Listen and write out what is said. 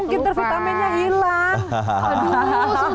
nggak mungkin tervitamennya hilang